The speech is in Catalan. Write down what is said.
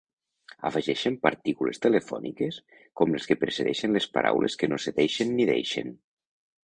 Afegeixen partícules telefòniques com les que precedeixen les paraules que no cedeixen ni deixen.